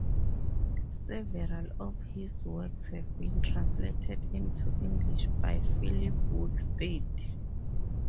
Several of his works have been translated into English by Philip Wicksteed.